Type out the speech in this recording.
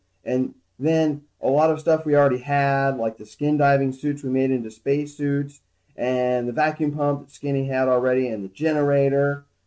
And then, a lot of the stuff we already had. Like the skin diving suits we made into spacesuits and the vacuum pump that Skinny had already and the generator.